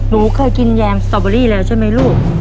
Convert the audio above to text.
หนูเคยกินแยมสตอเบอรี่แล้วใช่ไหมลูก